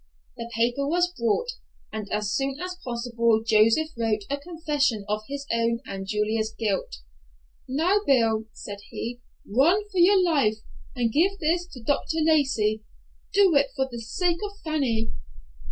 The paper was brought, and as soon as possible Joseph wrote a confession of his own and Julia's guilt. "Now, Bill," said he, "run for your life, and give this to Dr. Lacey. Do it for the sake of Fanny."